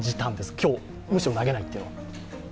今日、むしろ投げないというのは。